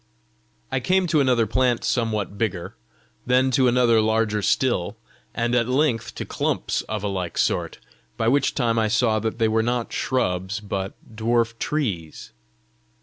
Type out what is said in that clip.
I came to another plant somewhat bigger, then to another larger still, and at length to clumps of a like sort; by which time I saw that they were not shrubs but dwarf trees.